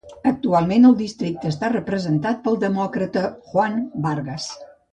Actualment el districte està representat pel demòcrata Juan Vargas.